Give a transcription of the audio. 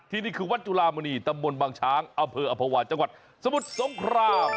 นี่คือวัดจุลามณีตำบลบางช้างอำเภออภาวะจังหวัดสมุทรสงคราม